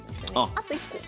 あと１個。